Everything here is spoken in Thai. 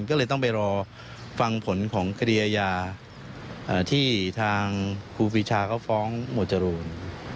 ก็เลยต้องไปรอฟังผลของคดีอาญาที่ทางครูปีชาเขาฟ้องหมวดจรูน